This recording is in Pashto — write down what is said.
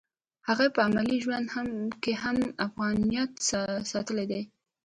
هغې په عملي ژوند کې هم افغانیت ساتلی دی